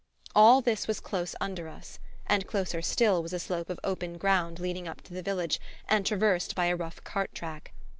All this was close under us; and closer still was a slope of open ground leading up to the village and traversed by a rough cart track.